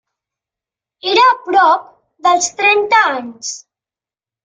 Era a prop dels trenta anys.